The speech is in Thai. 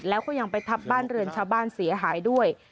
แล้วก็ยังไปทับบ้านเรือนชาวบ้านเสียหายด้วย